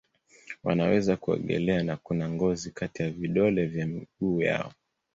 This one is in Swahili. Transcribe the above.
Wanaweza kuogelea na kuna ngozi kati ya vidole vya miguu yao.